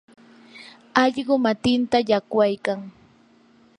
allqu matinta llaqwaykan.